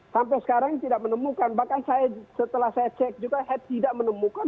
sampai sekarang tidak menemukan bahkan saya setelah saya cek juga hat tidak menemukan